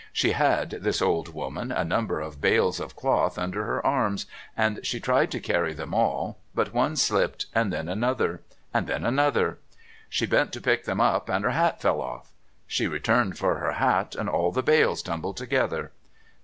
She had, this old woman, a number of bales of cloth under her arms, and she tried to carry them all, but one slipped, and then another, and then another; she bent to pick them up and her hat fell off; she turned for her hat and all the bales tumbled together.